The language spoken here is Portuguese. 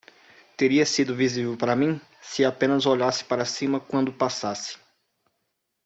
Teria sido visível para mim? se apenas olhasse para cima quando passasse.